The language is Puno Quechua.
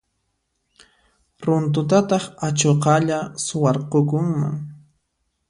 Runtutataq achuqalla suwarqukunman.